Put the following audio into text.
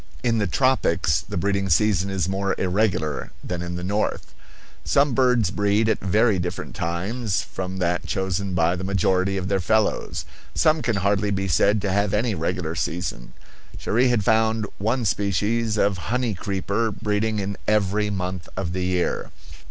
In the tropics the breeding season is more irregular than in the north. Some birds breed at very different times from that chosen by the majority of their fellows; some can hardly be said to have any regular season; Cherrie had found one species of honey creeper breeding in every month of the year.